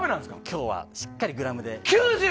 今日はしっかりグラムで。